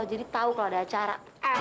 jadi tau kalau ada acara